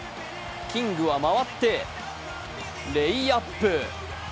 キングは回ってレイアップ。